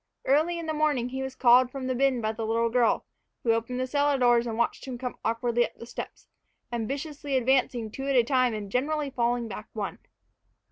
Early in the morning he was called from the bin by the little girl, who opened the cellar doors and watched him come awkwardly up the steps, ambitiously advancing two at a time and generally falling back one.